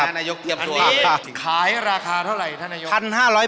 อันนี้ขายราคาเท่าไหร่ท่านนายก